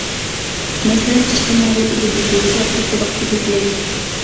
مەسىلەن: ئىچكى موڭغۇل ئېگىزلىكى، سېرىق توپىلىق ئېگىزلىك.